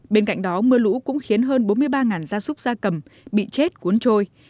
bên cạnh đó mưa lũ cũng khiến hơn bốn mươi ba gia súc gia cầm bị chết cuốn trôi